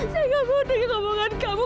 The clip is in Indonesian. saya nggak mau dengar omongan kamu